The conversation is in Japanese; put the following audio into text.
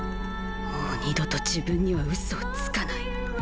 もう二度と自分には嘘をつかない。